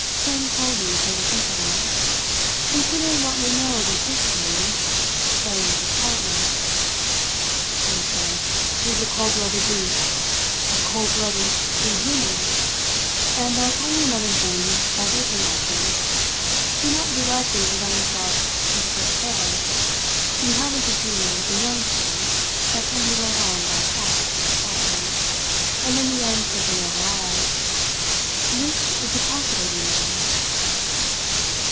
came coldly from the principal. "Considering what we know of his history say with his partner." "True, sir. He's a cold blooded beast; a cold blooded, inhuman " "And I'll tell you another thing that isn't likely. He would not be likely to let himself be stripped bare. We haven't to do with a young fool that can be led on by chaff or flattery, and in the end simply overawed. This is a calculating man."